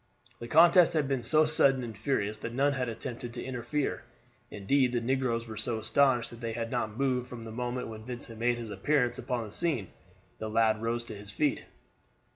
The contest had been so sudden and furious that none had attempted to interfere. Indeed the negroes were so astonished that they had not moved from the moment when Vincent made his appearance upon the scene. The lad rose to his feet.